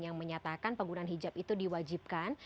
yang menyatakan penggunaan hijab itu diwajibkan